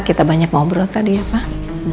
kita banyak ngobrol tadi ya pak